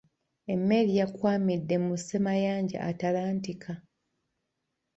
Emmeeri yakwamidde mu ssemayanja Atalantika.